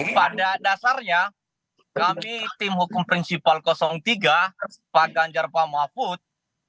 pada dasarnya kami tim hukum prinsipal tiga pak ganjar pak mahfud